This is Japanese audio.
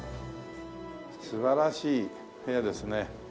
素晴らしい部屋ですね。